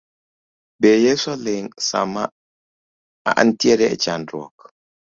Be Yeso ling sama antiere e chandruok.